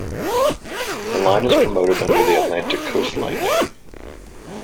The line is promoted under the "Atlantic Coast Line" name.